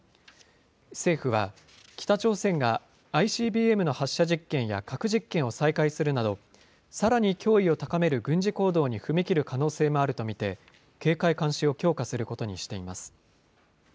政府は、北朝鮮がＩＣＢＭの発射実験や核実験を再開するなど、さらに脅威を高める軍事行動に踏み切る可能性もあると見て、警戒、監視を強化することにしています。